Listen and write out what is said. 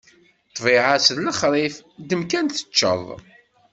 Ṭṭbiɛa-s d lexṛif, ddem kan teččeḍ!